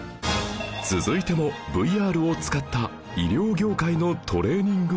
続いても ＶＲ を使った医療業界のトレーニング映像です